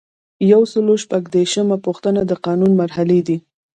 یو سل او شپږ دیرشمه پوښتنه د قانون مرحلې دي.